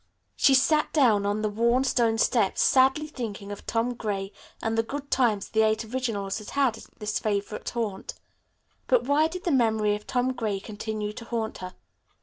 She sat down on the worn stone steps sadly thinking of Tom Gray and the good times the Eight Originals had had at this favorite haunt. But why did the memory of Tom Gray continue to haunt her?